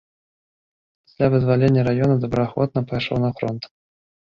Пасля вызвалення раёна добраахвотна пайшоў на фронт.